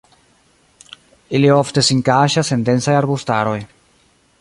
Ili ofte sin kaŝas en densaj arbustaroj.